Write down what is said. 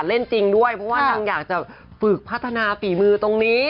เล่นจริงด้วยเพราะว่านางอยากจะฝึกพัฒนาฝีมือตรงนี้